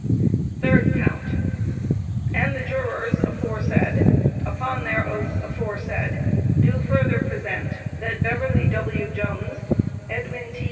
Third Count: And the Jurors aforesaid, upon their oaths aforesaid, do further present that Beverly W. Jones, Edwin T.